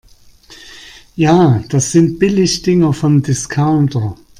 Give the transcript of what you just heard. Ja, das sind Billigdinger vom Discounter.